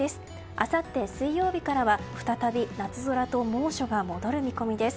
あさって水曜日からは再び夏空と猛暑が戻る見込みです。